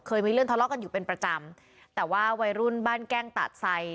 เคยมีเรื่องทะเลาะกันอยู่เป็นประจำแต่ว่าวัยรุ่นบ้านแกล้งตาดไซ